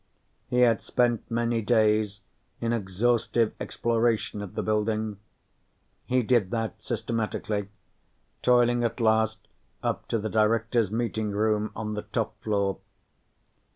He had spent many days in exhaustive exploration of the building. He did that systematically, toiling at last up to the Directors' meeting room on the top floor.